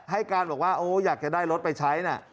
ให้การบอกว่าโอ้อยากจะได้รถไปใช้นะ